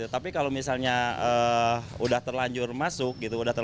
tapi kalau misalnya sudah terlanjur masuk